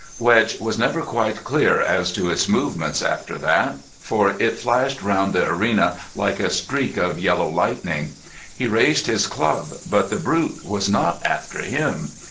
Wedge was never quite clear as to its movements after that, for it flashed round the arena like a streak of yellow lightning He raised his club, but the brute was not after him.